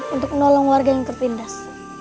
untuk menolong warga yang tertindas